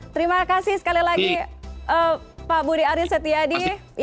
terima kasih sekali lagi pak budi aris setiadi